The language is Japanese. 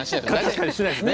確かにしないですね。